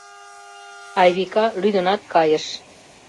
— Айвика лӱдынат кайыш.